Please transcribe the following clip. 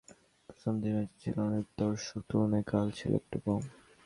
প্রথম দুই ম্যাচে ছিল অনেক দর্শক, তুলনায় কাল ছিল একটু কম।